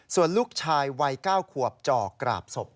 ส่วนลูกชายวัยเก้าขวบจอกกราบศพ